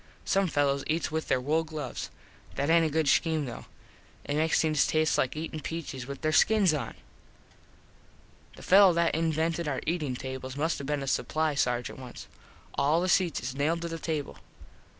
Some fellos eats with there wool gloves. That aint a good scheme though. It makes things taste like eatin peaches with there skins on. The fello that invented our eatin tables must have been a supply Sargent once. All the seats is nailed to the table.